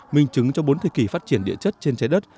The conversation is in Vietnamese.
minh chứng cho bốn thời kỳ phát triển địa chất trên trái đất